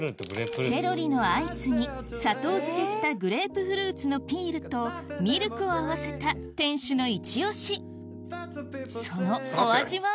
セロリのアイスに砂糖漬けしたグレープフルーツのピールとミルクを合わせた店主のイチオシそのお味は？